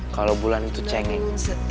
kalau bulan itu cengeng